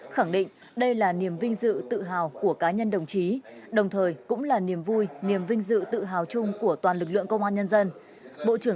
khẳng định đây là niềm vinh dự tự hào của cá nhân đồng chí đồng thời cũng là niềm vui niềm vinh dự tự hào chung của toàn lực lượng công an nhân dân